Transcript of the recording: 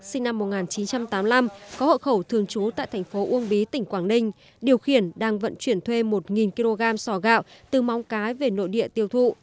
sinh năm một nghìn chín trăm tám mươi năm có hộ khẩu thường trú tại thành phố uông bí tỉnh quảng ninh điều khiển đang vận chuyển thuê một kg sò gạo từ móng cái về nội địa tiêu thụ